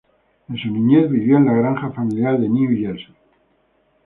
En su niñez vivió en la granja familiar de New Jersey.